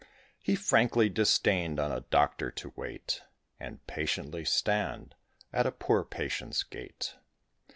He frankly disdained on a doctor to wait, And patiently stand at a poor patient's gate.